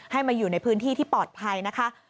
ให้มาอยู่ในพื้นที่ที่ปลอดภัยนะคะ